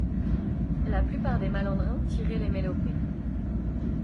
La plupart des malandrins tiraient les mélopées!